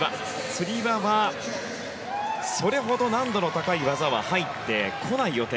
つり輪はそれほど難度の高い技は入ってこない予定。